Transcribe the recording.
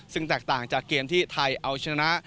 ซึ่งแตกต่างจากเกมที่ไทยเอาชนะ